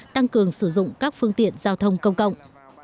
tăng cường sử dụng các phương tiện giao thông công cộng